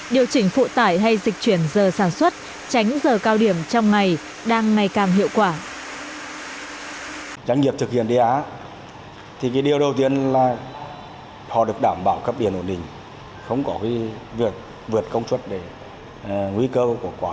điều chỉnh phụ tải hay dịch chuyển giờ sản xuất tránh giờ cao điểm trong ngày đang ngày càng hiệu quả